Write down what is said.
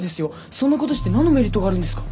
そんなことして何のメリットがあるんですか？